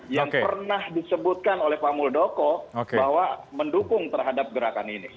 yang pernah disebutkan oleh pak muldoko bahwa mendukung terhadap gerakan ini